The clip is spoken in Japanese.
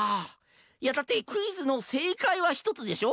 いやだってクイズのせいかいはひとつでしょ？